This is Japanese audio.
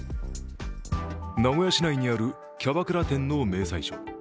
名古屋市内にあるキャバクラ店の明細書。